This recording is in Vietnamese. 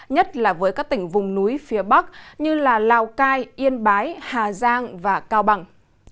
nhất là với các tỉnh vùng núi phía bắc như lào cai yên bái hà giang và cao bằng